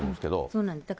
そうなんです。